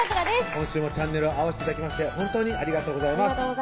今週もチャンネルを合わして頂きまして本当にありがとうございます